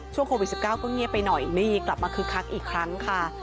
โควิด๑๙ก็เงียบไปหน่อยนี่กลับมาคึกคักอีกครั้งค่ะ